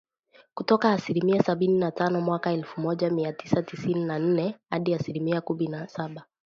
kutoka asilimia sabini na tano mwaka elfu moja mia tisa tisini na nne hadi asilimia kumi na saba